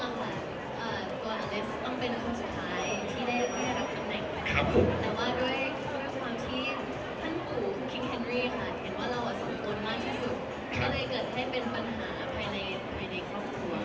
เสียงปลดมือจังกัน